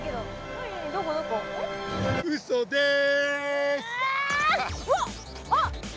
うっそです！